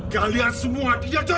kalian semua tidak cocok